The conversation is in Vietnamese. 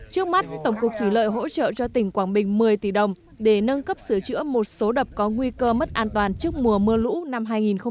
trước mắt tổng cục thủy lợi hỗ trợ cho tỉnh quảng bình một mươi tỷ đồng để nâng cấp sửa chữa một số đập có nguy cơ mất an toàn trước mùa mưa lũ năm hai nghìn một mươi chín